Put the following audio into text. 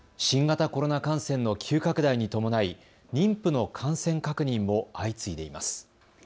新型コロナ感染の急拡大に伴い妊婦の感染確認も相次いでいます。